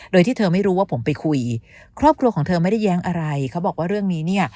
โดยที่เธอไม่รู้ว่าผมไปคุยครอบครัวของเธอไม่ได้แย้งอะไรเขาบอกว่าเรื่องนี้เนี่ย